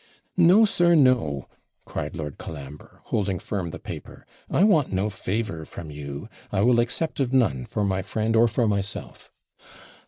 'No, sir, no!' cried Lord Colambre, holding firm the paper. 'I want no favour from you. I will accept of none for my friend or for myself.'